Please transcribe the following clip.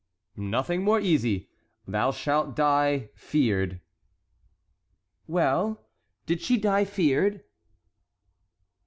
"Nothing more easy: Thou shalt die feared." "Well—did she die feared?"